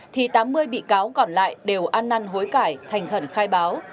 thì tám mươi bị cáo còn lại đều ăn năn hối cải thành khẩn khai báo